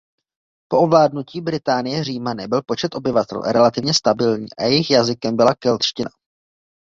Do ovládnutí Británie Římany byl počet obyvatel relativně stabilní a jejich jazykem byla kelština.